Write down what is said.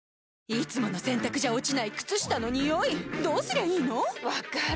いつもの洗たくじゃ落ちない靴下のニオイどうすりゃいいの⁉分かる。